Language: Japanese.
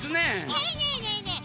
ねえねえねえねえ